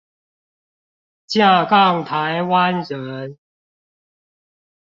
正港台灣人